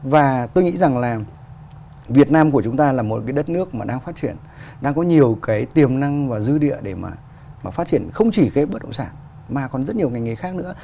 và tôi nghĩ rằng là việt nam của chúng ta là một cái đất nước mà đang phát triển đang có nhiều cái tiềm năng và dư địa để mà phát triển không chỉ cái bất động sản mà còn rất nhiều ngành nghề khác nữa